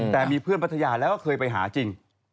แต่มีเพื่อนพัทยาแล้วก็เคยไปหาจริง